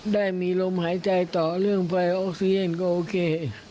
ได้มีลมหายใจต่อเรื่องไฟออกซีเย็นก็โอเค